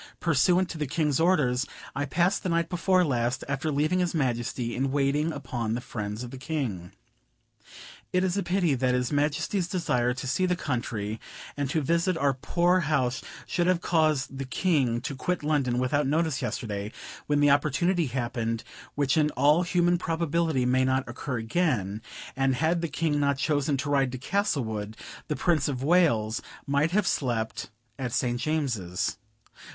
Pursuant to the King's orders, I passed the night before last, after leaving his Majesty, in waiting upon the friends of the King. It is a pity that his Majesty's desire to see the country and to visit our poor house should have caused the King to quit London without notice yesterday, when the opportunity happened which in all human probability may not occur again; and had the King not chosen to ride to Castlewood, the Prince of Wales might have slept at St. James's."